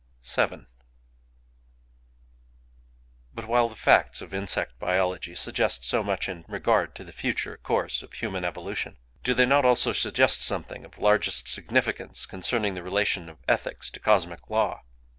VII But while the facts of insect biology suggest so much in regard to the future course of human evolution, do they not also suggest something of largest significance concerning the relation of ethics to cosmic law?